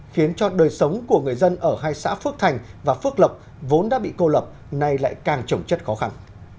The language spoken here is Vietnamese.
khiến cho đời sống của người dân ở hai xã phước thành và phước lộc vốn đã bị cô lập nay lại càng trồng chất khó khăn